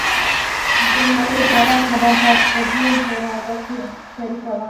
د نړۍ پراخه برخه په دې اراده کې شریکه وه.